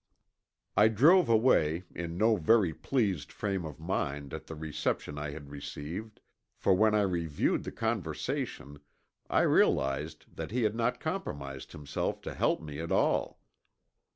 I drove away in no very pleased frame of mind at the reception I had received, for when I reviewed the conversation I realized that he had not compromised himself to help me at all.